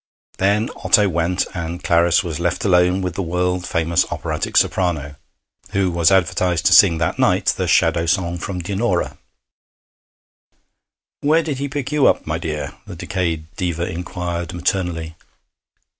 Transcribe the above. Then Otto went, and Clarice was left alone with the world famous operatic soprano, who was advertised to sing that night the Shadow Song from 'Dinorah.' 'Where did he pick you up, my dear?' the decayed diva inquired maternally.